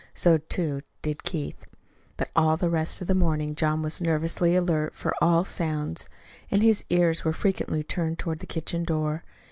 So, too, did Keith. But all the rest of the morning John was nervously alert for all sounds. And his ears were frequently turned toward the kitchen door.